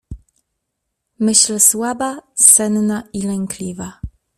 Myśl słaba, senna i lękliwa.